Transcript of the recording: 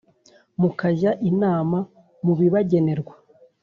mukajya inama mu bibagenerwa,